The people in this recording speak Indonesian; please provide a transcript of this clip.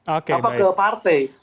atau ke partai